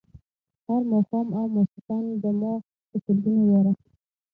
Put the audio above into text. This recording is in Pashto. هر ماښام او ماخوستن به ما په سلګونو واره.